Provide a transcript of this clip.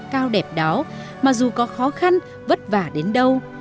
cao đẹp đáo mà dù có khó khăn vất vả đến đâu